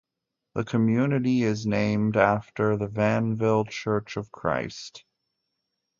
The community is named after the Vanville Church of Christ.